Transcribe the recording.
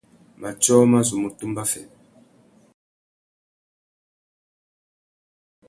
Matiō mà zu mú tumba fê.